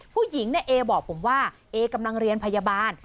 ผู้หญิงเนี่ยเอบอกผมว่าเอกำลังเรียนพยาบาล